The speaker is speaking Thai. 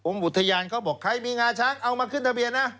อุทยานเขาบอกใครมีงาช้างเอามาขึ้นทะเบียนนะ